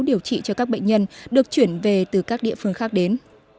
điều trị cho các bệnh nhân được chuyển về từ các địa phương khác đến